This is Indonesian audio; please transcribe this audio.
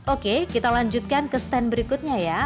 oke kita lanjutkan ke stand berikutnya ya